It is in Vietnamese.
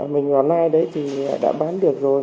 mình vào nay đấy thì đã bán được rồi